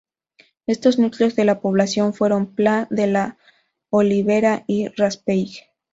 Estos núcleos de población fueron Pla de la Olivera y Raspeig.